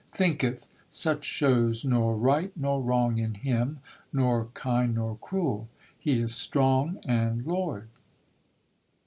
'Thinketh, such shows nor right nor wrong in Him, Nor kind, nor cruel: He is strong and Lord."